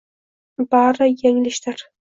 bari yanglishdir